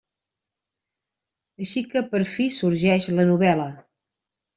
Així que per fi sorgeix la novel·la.